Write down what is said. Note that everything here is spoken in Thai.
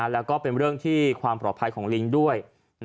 แล้วก็เป็นเรื่องที่ความปลอดภัยของลิงด้วย